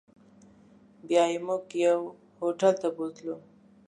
بیا یې موږ یو هوټل ته بوتلو.